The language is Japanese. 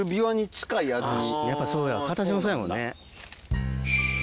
やっぱそうや形もそやもんね。